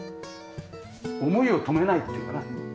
思いを止めないっていうかな。